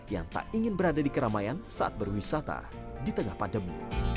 yang tak ingin berada di keramaian saat berwisata di tengah pandemi